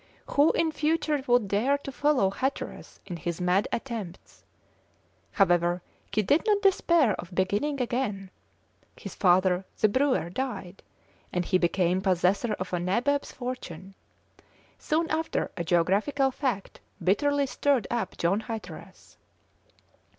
Who in future would dare to follow Hatteras in his mad attempts? However, he did not despair of beginning again. His father, the brewer, died, and he became possessor of a nabob's fortune. Soon after a geographical fact bitterly stirred up John Hatteras.